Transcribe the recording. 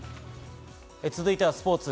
続いてはスポーツ。